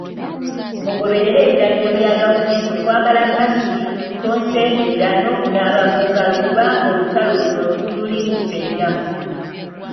Mugoberere ebiragiro bya gavumenti okwambala masiki, tonsemberera n'okunaaba mu ngalo kubanga olutalo luno tululimu ffenna.